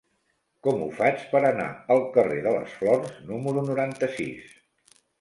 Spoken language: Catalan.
Com ho faig per anar al carrer de les Flors número noranta-sis?